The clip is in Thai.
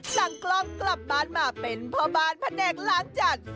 สั่งกล้องกลับบ้านมาเป็นพ่อบ้านพะแดกล้างจันทร์